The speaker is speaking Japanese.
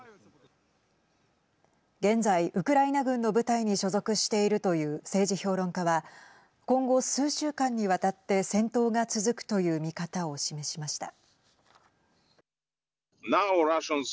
現在、ウクライナ軍の部隊に所属しているという政治評論家は今後、数週間にわたって戦闘が続くという見方を示しました。